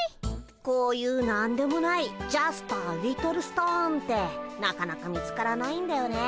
こういう何でもないジャストアリトルストーンってなかなか見つからないんだよね。